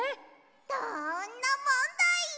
どんなもんだい！